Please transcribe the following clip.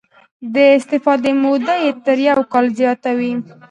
د استفادې موده یې تر یو کال زیاته وي.